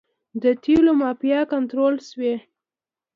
د تیلو مافیا کنټرول شوې؟